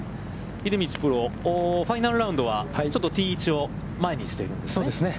秀道プロ、ファイナルラウンドはちょっとティー位置を前にしているんですね。